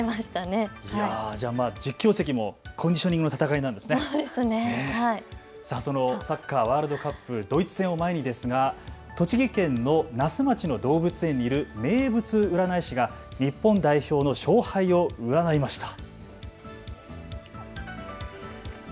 ちなみにそのサッカーワールドカップドイツ戦を前に栃木県の那須町の動物園にいる名物占い師が日本代表の勝敗を占いました。